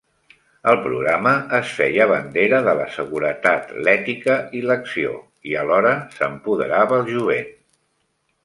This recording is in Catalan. Al programa es feia bandera de la seguretat, l'ètica i l'acció, i alhora s'empoderava el jovent.